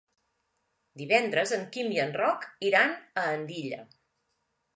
Divendres en Quim i en Roc iran a Andilla.